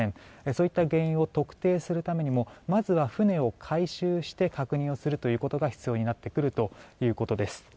そういった原因を特定するためにもまずは船を回収して確認をすることが必要になってくるということです。